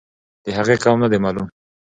د هغې قوم نه دی معلوم.